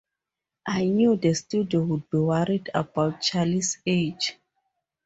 I knew the studio would be worried about Charlie's age.